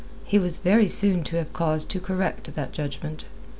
He was very soon to have cause to correct that judgment.